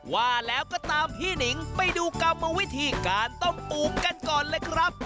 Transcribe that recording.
ว่าแล้วก็ตามพี่หนิงไปดูกรรมวิธีการต้มปูกันก่อนเลยครับ